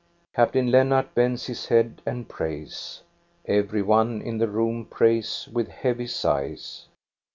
Captain Lennart bends his head and prays. Every one in the room prays with heavy sighs.